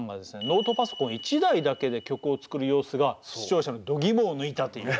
ノートパソコン１台だけで曲を作る様子が視聴者のドギモを抜いたという。